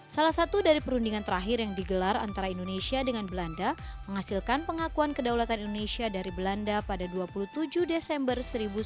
salah satu dari perundingan terakhir yang digelar antara indonesia dengan belanda menghasilkan pengakuan kedaulatan indonesia dari belanda pada dua puluh tujuh desember seribu sembilan ratus empat puluh